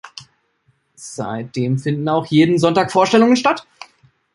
Seitdem finden auch jeden Sonntag Vorstellungen statt.